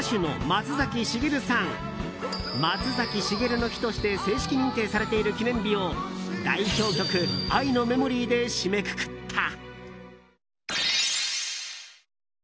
松崎しげるの日として正式認定されている記念日を代表曲「愛のメモリー」で締めくくった。